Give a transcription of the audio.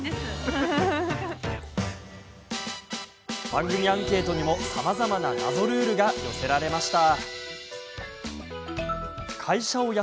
番組アンケートにもさまざまな謎ルールが寄せられました。